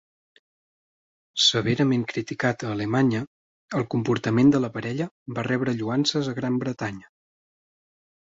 Severament criticat a Alemanya, el comportament de la parella va rebre lloances a Gran Bretanya.